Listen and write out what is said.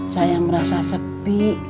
saya merasa sepi